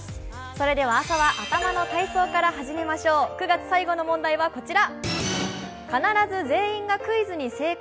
それでは朝は頭の体操から始めましょう９月最後の問題はこちら。